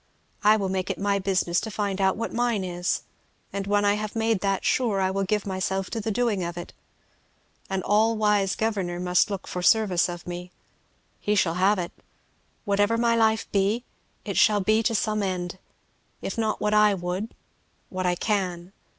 I will make it my business to find out what mine is, and when I have made that sure I will give myself to the doing of it. An Allwise Governor must look for service of me. He shall have it. Whatever my life be, it shall be to some end. If not what I would, what I can.